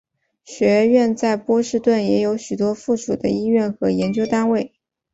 学院在波士顿也有许多附属的医院和研究单位。